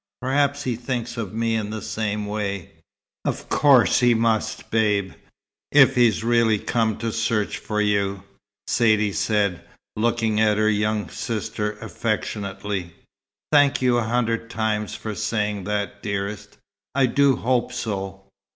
Perhaps he thinks of me in the same way." "Of course he must, Babe, if he's really come to search for you," Saidee said, looking at her young sister affectionately. "Thank you a hundred times for saying that, dearest! I do hope so!"